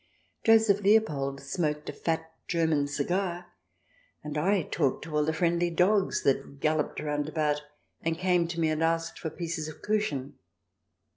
Joseph Leopold smoked a fat German cigar, and I talked to all the friendly dogs that galloped round about and came to me and asked for pieces of Kuchen.